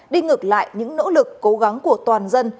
đi ngược lại những nỗ lực cố gắng của toàn dân